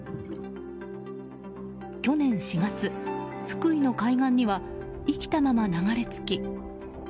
去年４月、福井の海岸には生きたまま流れ着き。